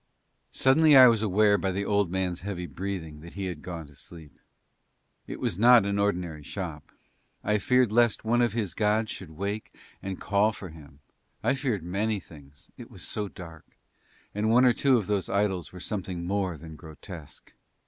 Suddenly I was aware by the old man's heavy breathing that he had gone to sleep. It was not an ordinary shop: I feared lest one of his gods should wake and call for him: I feared many things, it was so dark, and one or two of those idols were something more than grotesque.